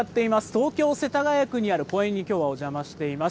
東京・世田谷区にある公園にきょうはお邪魔しています。